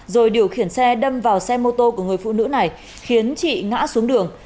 rồi điều khiển xe đâm vào xe mô tô của người phụ nữ này khiến chị ngã xuống đường